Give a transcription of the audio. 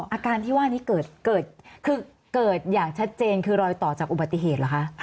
อาการที่ว่านี้เกิดคือเกิดอย่างชัดเจนคือรอยต่อจากอุบัติเหตุเหรอคะ